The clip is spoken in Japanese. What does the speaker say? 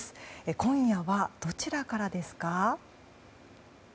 今夜はどちらからですか？